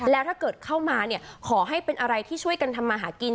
แล้วถ้าเกิดเข้ามาเนี่ยขอให้เป็นอะไรที่ช่วยกันทำมาหากิน